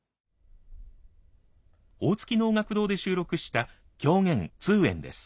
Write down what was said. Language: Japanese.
大槻能楽堂で収録した狂言「通圓」です。